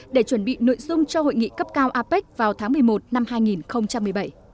để chuẩn bị nội dung cho hội nghị cấp cao apec vào tháng một mươi một năm hai nghìn một mươi bảy